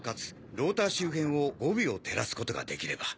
ローター周辺を５秒照らすことができれば。